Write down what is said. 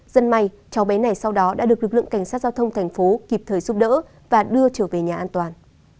dân may cháu bé này sau đó đã được lực lượng cảnh sát giao thông thành phố kịp thời giúp đỡ và đưa trở về nhà an toàn